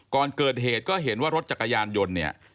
ก่อนเกิดเหตุก็เห็นว่ารถจักรยานยนต์เนี่ย